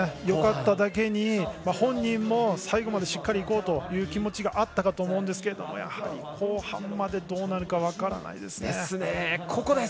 よかっただけに本人も最後までしっかりいこうという気持ちがあったかと思うんですがやはり後半までどうなるか分からないですね。